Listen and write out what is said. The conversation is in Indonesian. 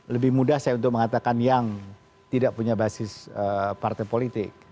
lebih mudah saya untuk mengatakan yang tidak punya basis partai politik